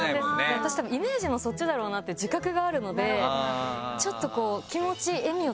私たぶんイメージもそっちだろうなっていう自覚があるのでちょっと。